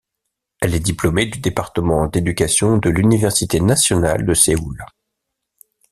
Elle est diplômée du département d'éducation de l'Université Nationale de Séoul.